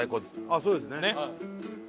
あっそうですね。